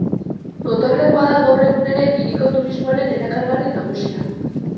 Gotorlekua da gaur egun ere hiriko turismoaren erakargarri nagusia.